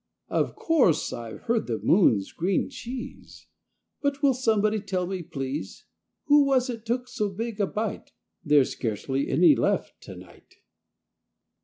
Of course I've heard the moon's green cheese, But will somebody tell me, please, Who was it took so big a bite There's scarcely any left to night?